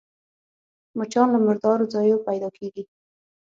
مچان له مردارو ځایونو پيدا کېږي